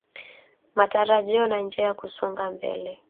Matarajio na Njia ya Kusonga mbele